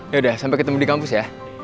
yaudah sampai ketemu di kampus ya